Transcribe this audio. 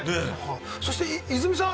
そして泉さん